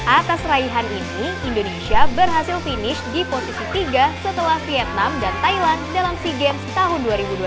atas raihan ini indonesia berhasil finish di posisi tiga setelah vietnam dan thailand dalam sea games tahun dua ribu dua puluh